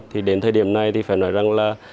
thì đến thời điểm này thì phải nói rằng là